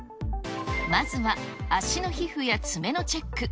まずは足の皮膚や爪のチェック。